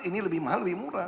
ini lebih mahal lebih murah